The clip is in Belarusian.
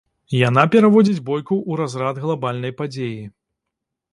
Яна пераводзіць бойку ў разрад глабальнай падзеі.